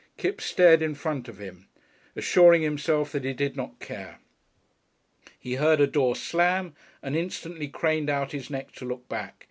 Kipps stared in front of him, assuring himself that he did not care. He heard a door slam, and instantly craned out his neck to look back.